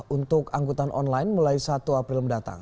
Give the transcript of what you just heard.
untuk angkutan online mulai satu april mendatang